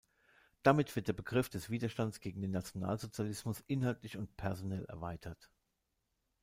Damit wird der Begriff des „Widerstandes gegen den Nationalsozialismus“ inhaltlich und personell erweitert.